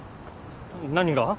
何が？